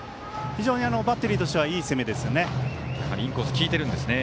非常にバッテリーとしてはいい攻めですね。